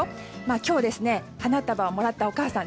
今日、花束をもらったお母さん